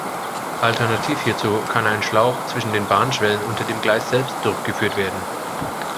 Alternativ hierzu kann ein Schlauch zwischen den Bahnschwellen unter dem Gleis selbst durchgeführt werden.